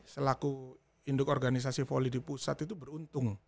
selaku induk organisasi voli di pusat itu beruntung